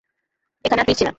এখানে আর ফিরছি না।